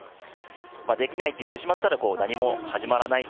できないって言ってしまったら何も始まらないと。